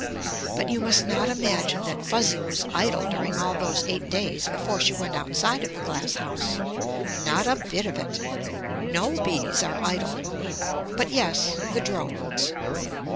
But you must not imagine that Fuzzy was idle during all those eight days before she went outside of the glass house. Not a bit of it. No bees are idle. But yes, the drones.